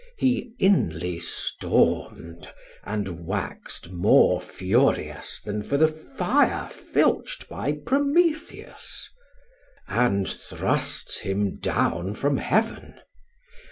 He inly storm'd, and wax'd more furious Than for the fire filch'd by Prometheus; And thrusts him down from heaven.